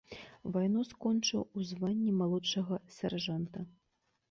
Вайну скончыў у званні малодшага сяржанта.